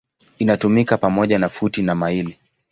Inatumika pamoja na futi na maili.